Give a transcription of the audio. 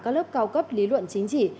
các lớp cao cấp lý luận chính trị